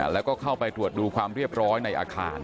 แล้วก็เข้าไปตรวจดูความเรียบร้อยในอาคาร